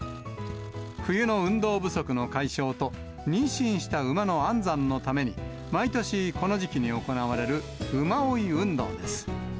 冬の運動不足の解消と、妊娠した馬の安産のために、毎年この時期に行われる、馬追い運動です。